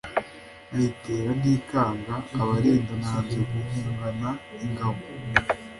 Nkayitera ntikanga abarindaNanze guhungana ingabo